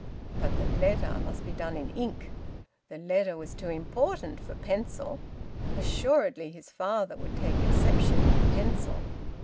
But the letter must be done in ink; the letter was too important for pencil; assuredly his father would take exception to pencil.